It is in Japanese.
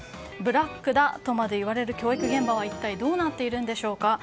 ブラックだとまで言われる教育現場は一体どうなっているのでしょうか。